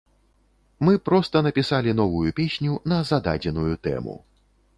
Мы проста напісалі новую песню на зададзеную тэму.